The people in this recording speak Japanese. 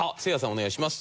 お願いします。